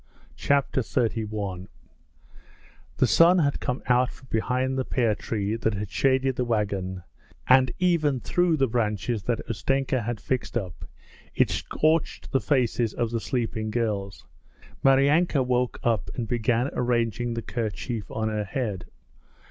Chapter XXXI The sun had come out from behind the pear tree that had shaded the wagon, and even through the branches that Ustenka had fixed up it scorched the faces of the sleeping girls. Maryanka woke up and began arranging the kerchief on her head.